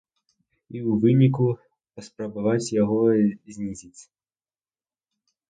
І ў выніку паспрабаваць яго знізіць.